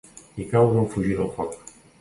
Hi caus en fugir del foc.